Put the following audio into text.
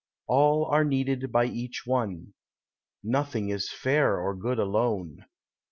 All are needed by each one ; Nothing is fair or good alone.